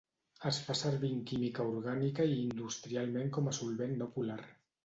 Es fa servir en química orgànica i industrialment com a solvent no polar.